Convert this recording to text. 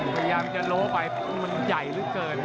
พยายามจะโล้ไปมันใหญ่เหลือเกิน